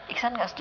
iksan gak setuju